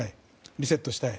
リセットしたい。